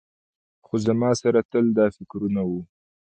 خو زما سره تل دا فکرونه وو.